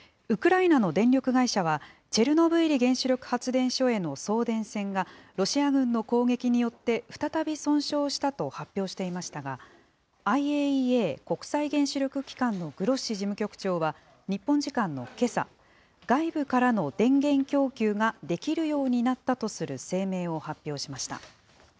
ウクライナの電力会社は、チェルノブイリ原子力発電所への送電線が、ロシア軍の攻撃によって再び損傷したと発表していましたが、ＩＡＥＡ・国際原子力機関のグロッシ事務局長は、日本時間のけさ、外部からの電源供給ができるようになったとする声明を発表しました。